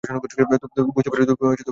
তুমি বুঝতে পেরেছো?